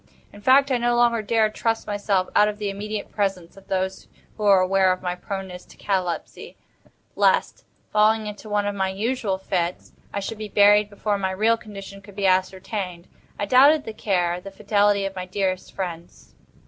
In fact, I no longer dared trust myself out of the immediate presence of those who were aware of my proneness to catalepsy, lest, falling into one of my usual fits, I should be buried before my real condition could be ascertained. I doubted the care, the fidelity of my dearest friends.